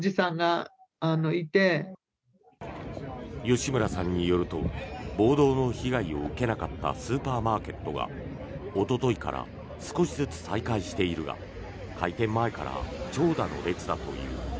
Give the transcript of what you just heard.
吉村さんによると暴動の被害を受けなかったスーパーマーケットがおとといから少しずつ再開しているが開店前から長蛇の列だという。